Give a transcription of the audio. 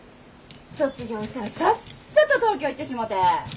卒業したらさっさと東京行ってしもうて。